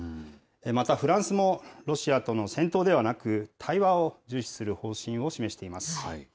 またフランスもロシアとの戦闘ではなく、対話を重視する方針を示しています。